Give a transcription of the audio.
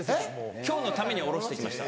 今日のために下ろして来ました。